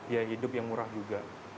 ya hidup yang murah juga